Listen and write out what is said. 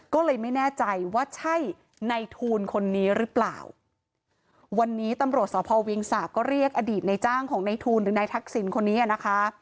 ก็เลยไม่แน่ใจว่าใช่ในทูลคนนี้หรือเปล่าวันนี้ตำรวจสพเวียงสาปก็เรียกอดีตในจ้างของในทูลหรือนายทักษิณคนนี้อ่ะนะคะ